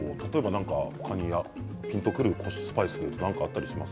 他にピンとくるスパイス何かあったりします？